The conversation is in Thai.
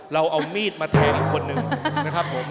เราเอามีดมาแทนแค่นี้คนหนึ่งนะครับผม